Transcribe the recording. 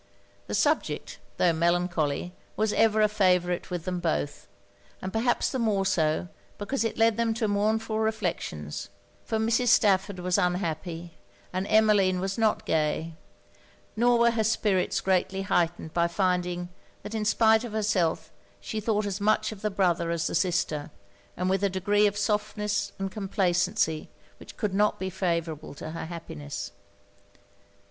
The subject, tho' melancholy, was ever a favourite with them both; and perhaps the more so because it led them to mournful reflections for Mrs. Stafford was unhappy, and Emmeline was not gay; nor were her spirits greatly heightened by finding that in spite of herself she thought as much of the brother as the sister, and with a degree of softness and complacency which could not be favourable to her happiness.